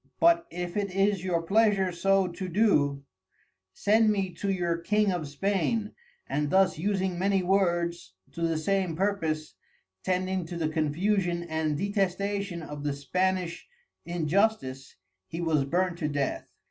But if it is your pleasure so to do, send me to your King of Spain, and thus using many words to the same purpose, tending to the Confusion and Detestation of the Spanish Injustice, he was burnt to Death.